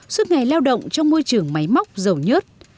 suốt ngày lao động trong môi trường máy móc dầu nhớt